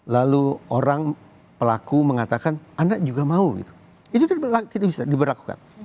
lalu orang pelaku mengatakan anda juga mau itu tidak bisa diberlakukan